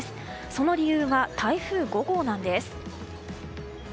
その理由は台風５号なんです。